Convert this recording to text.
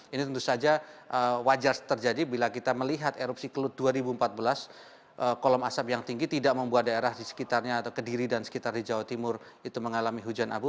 ini tentu saja wajar terjadi bila kita melihat erupsi kelut dua ribu empat belas kolom asap yang tinggi tidak membuat daerah di sekitarnya atau kediri dan sekitar di jawa timur itu mengalami hujan abu